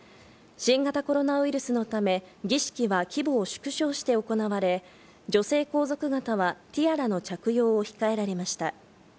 新型コロナウイルスのため儀式は規模を縮小して行われ、女性皇族方はティアラの着用を控えられました。